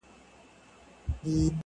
د ټپې په رزم اوس هغه ده پوه سوه.